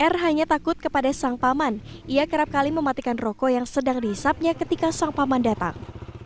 r hanya takut kepada sang paman ia kerap kali mematikan rokok yang sedang dihisapnya ketika sang paman datang